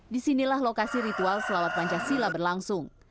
disinilah lokasi ritual salawat pancasila berlangsung